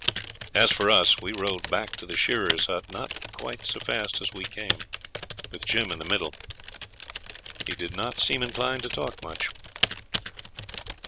As for us we rode back to the shearers' hut, not quite so fast as we came, with Jim in the middle. He did not seem inclined to talk much.